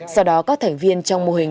sau đó các thành viên trong mô hình